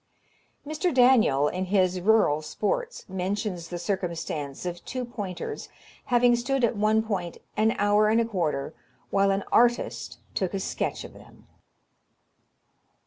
Mr. Daniel, in his "Rural Sports," mentions the circumstance of two pointers having stood at one point an hour and a quarter, while an artist took a sketch of them.